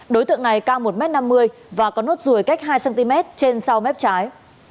đối tượng này cao một m năm mươi và có nốt ruồi cách hai cm trên sau mép trái